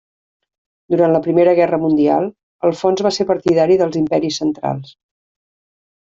Durant la Primera Guerra Mundial, Alfons va ser partidari dels Imperis Centrals.